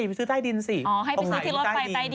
อ๋อให้ไปซื้อที่รถไปใต้ดินโอเคค่ะ